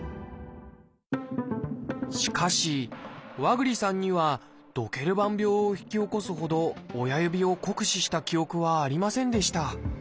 しかし和栗さんにはドケルバン病を引き起こすほど親指を酷使した記憶はありませんでした。